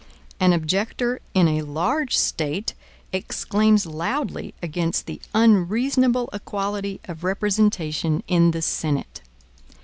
An objector in a large State exclaims loudly against the unreasonable equality of representation in the Senate.